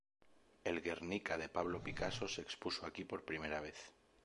El "Guernica" de Pablo Picasso se expuso aquí por primera vez.